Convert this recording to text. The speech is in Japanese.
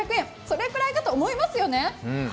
それくらいだと思いますよね。